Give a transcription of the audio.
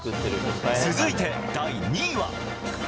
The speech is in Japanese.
続いて第２位は。